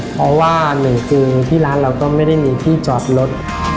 เพราะว่าหนึ่งคืนที่ร้านเราก็ไม่ได้มีที่จอดรถ